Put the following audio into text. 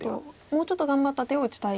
もうちょっと頑張った手を打ちたい。